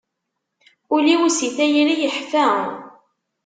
Ul-iw si tayri yeḥfa.